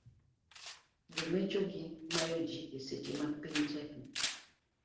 Jomecho gi mayo ji e seche mapiny tek ni.